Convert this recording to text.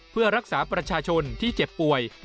เพื่อรักษาประชาชนที่เจ็บป่วย